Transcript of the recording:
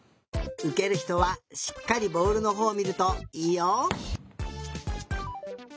うけるひとはしっかりボールのほうをみるといいよ。